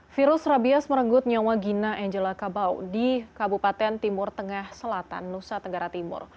virus rabies merenggut nyawa gina angela kabau di kabupaten timur tengah selatan nusa tenggara timur